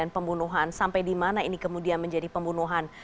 pembunuhan sampai dimana ini kemudian menjadi pembunuhan